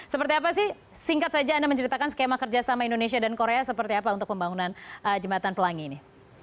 seperti apa sih singkat saja anda menceritakan skema kerjasama indonesia dan korea seperti apa untuk pembangunan jembatan pelangi ini